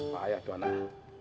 bahaya tuh anak